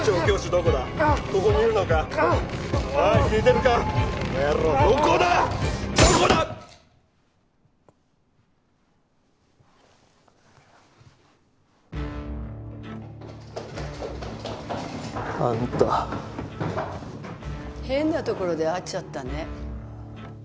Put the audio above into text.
どこだあんた変なところで会っちゃったね